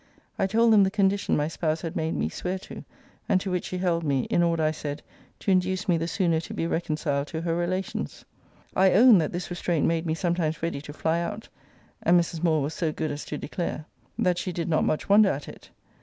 'I told them the condition my spouse had made me swear to; and to which she held me, in order, I said, to induce me the sooner to be reconciled to her relations. 'I owned, that this restraint made me sometimes ready to fly out.' And Mrs. Moore was so good as to declare, that she did not much wonder at it.